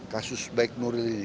kasus baik nuril ini